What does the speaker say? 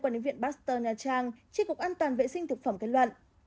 quản lý viện baxter nha trang chiếc cuộc an toàn vệ sinh thực phẩm kết luận